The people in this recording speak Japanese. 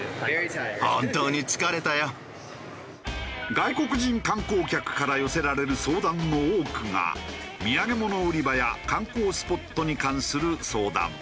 外国人観光客から寄せられる相談の多くが土産物売り場や観光スポットに関する相談。